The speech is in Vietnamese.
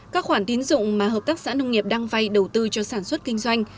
các khoản tín dụng mà hợp tác xã nông nghiệp đang vay đầu tư cho sản xuất kinh doanh